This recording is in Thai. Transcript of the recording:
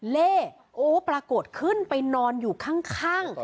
เล่โอ้ปรากฏขึ้นไปนอนอยู่ข้าง